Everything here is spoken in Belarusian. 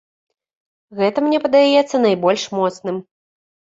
Гэта мне падаецца найбольш моцным.